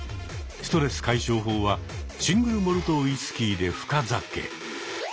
ストレス解消法はシングルモルトウイスキーで深酒。